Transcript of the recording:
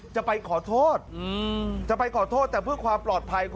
จะไปขอโทษจะไปขอโทษแต่เพื่อความปลอดภัย